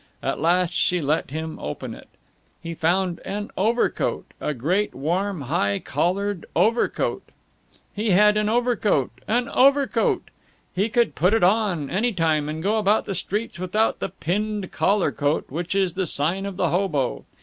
At last she let him open it. He found an overcoat, a great, warm, high collared overcoat. He had an overcoat an overcoat! He could put it on, any time, and go about the streets without the pinned coat collar which is the sign of the hobo.